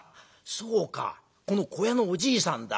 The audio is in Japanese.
そうかこの小屋のおじいさんだ。